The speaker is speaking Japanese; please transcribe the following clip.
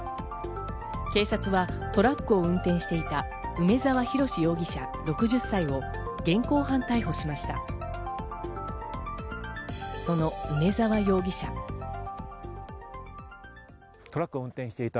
警察はトラックを運転していた梅沢洋容疑者、６０歳を現行犯逮捕しました。